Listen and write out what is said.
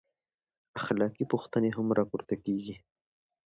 اخلاقي پوښتنې هم راپورته کېږي.